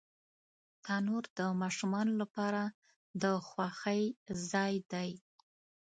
تنور د ماشومانو لپاره د خوښۍ ځای دی